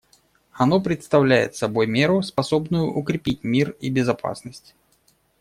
Оно представляет собой меру, способную укрепить мир и безопасность.